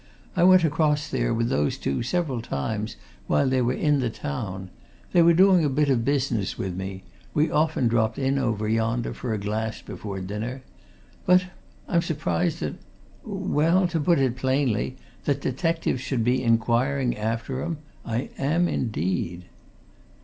"I went across there with those two several times while they were in the town. They were doing a bit of business with me we often dropped in over yonder for a glass before dinner. But I'm surprised that well, to put it plainly that detectives should be inquiring after 'em! I am, indeed."